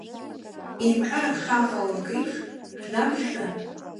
Еимҟьарак шааҟалалакь еиԥш шәныбжьҟьартә…